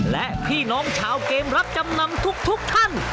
และพี่น้องชาวเกมรับจำนำทุกท่าน